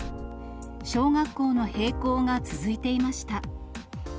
小学校の閉校が続いていました。